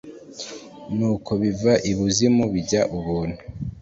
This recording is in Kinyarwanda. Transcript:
ni uko biva i buzimu bijya ibuntu